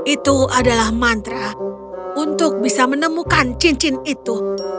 itu adalah mantra untuk bisa menemukan cincin itu